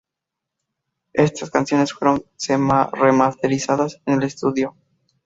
Estas canciones fueron remasterizadas en el estudio Mr.